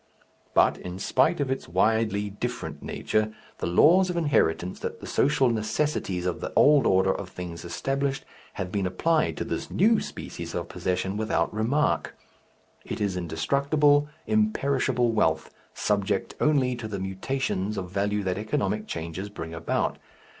But, in spite of its widely different nature, the laws of inheritance that the social necessities of the old order of things established have been applied to this new species of possession without remark. It is indestructible, imperishable wealth, subject only to the mutations of value that economic changes bring about.